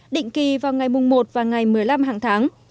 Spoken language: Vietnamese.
định kỳ vào ngày mùng một và ngày một mươi năm hàng tháng